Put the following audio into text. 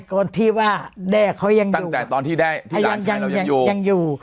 ก่อนที่ว่าแด่เขายังอยู่ตั้งแต่ตอนที่แด่ที่หลานชายเรายังอยู่ยังอยู่